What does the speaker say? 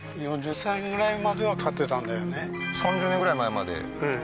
ええ３０年ぐらい前まで？